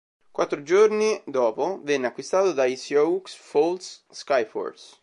Quattro giorni dopo venne acquistato dai Sioux Falls Skyforce.